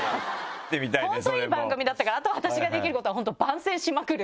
本当いい番組だったからあと私ができることは本当番宣しまくる。